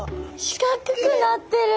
四角くなってる。